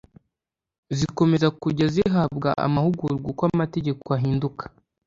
zikomeza kujya zihabwa amahugurwa uko amategeko ahinduka